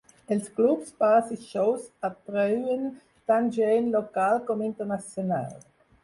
Els clubs, bars i shows atreuen tant gent local com internacional.